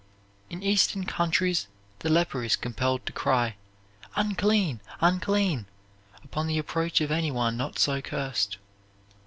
In Eastern countries the leper is compelled to cry, "Unclean, unclean," upon the approach of any one not so cursed.